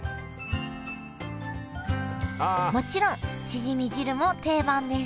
もちろんしじみ汁も定番です